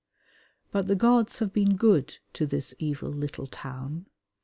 But the gods have been good to this evil little town.